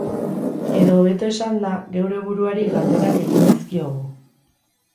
Edo hobeto esanda, geure buruari galderak egin dizkiogu.